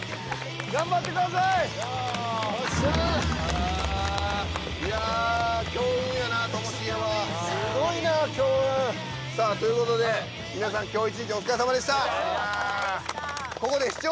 頑張ってください・おっしゃーいや強運やなともしげは・すごいな強運さあということで皆さん今日一日お疲れさまでしたお疲れさまでした